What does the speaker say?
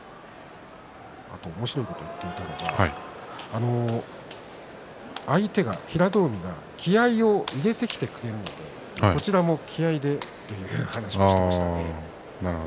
あと、おもしろいことを言っていたのは相手は、平戸海は気合いを入れてきてくれるからこちらも気合いで、という話をしていました。